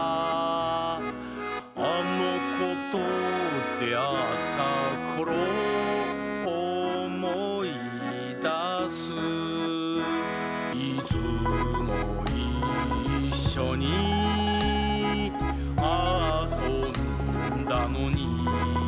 「あのことであったころおもいだす」「いつもいっしょに」「あそんだのに」